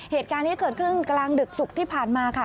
เหตุการณ์นี้เกิดขึ้นกลางดึกศุกร์ที่ผ่านมาค่ะ